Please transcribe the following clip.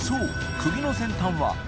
釘の先端は汽ぅ